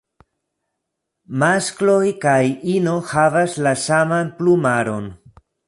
Maskloj kaj ino havas la saman plumaron.